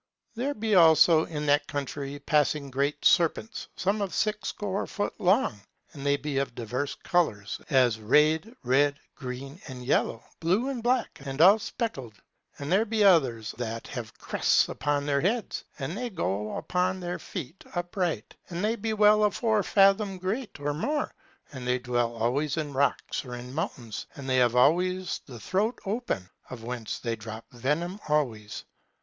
There be also in that country passing great serpents, some of six score foot long, and they be of diverse colours, as rayed, red, green, and yellow, blue and black, and all speckled. And there be others that have crests upon their heads, and they go upon their feet, upright, and they be well a four fathom great, or more, and they dwell always in rocks or in mountains, and they have alway the throat open, of whence they drop venom always.